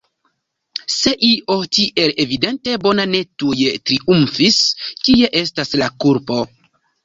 Se io tiel evidente bona ne tuj triumfis, kie estas la kulpo?